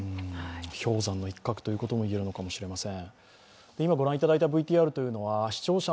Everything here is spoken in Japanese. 氷山の一角ということもいえるかもしれません。